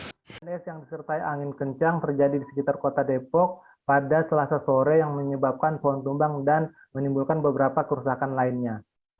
hujan des yang disertai angin kencang terjadi di sekitar kota depok pada selasa sore yang menyebabkan pohon tumbang dan menimbulkan beberapa kerusakan lainnya